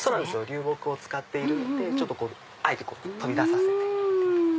流木を使っているのであえて飛び出させて。